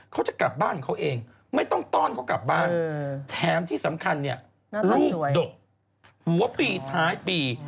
เขาจะกลับบ้านของเขาเองไม่ต้องต้อนเขากลับบ้านแถมที่สำคัญเนี่ยลูกดกหัวปีท้ายปี